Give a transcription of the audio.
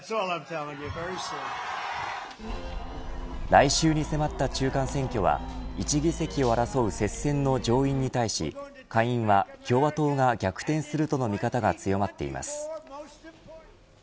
来週に迫った中間選挙は１議席を争う接戦の上院に対し下院は共和党が逆転するとの見方が強まっています。